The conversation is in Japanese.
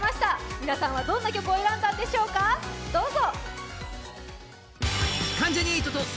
皆さんはどんな曲を選んだんでしょうか、どうぞ！